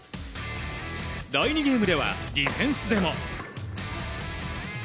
第２ゲームではディフェンスでも。